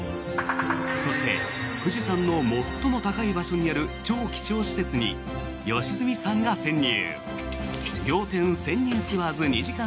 そして富士山の最も高い場所にある超貴重施設に良純さんが潜入！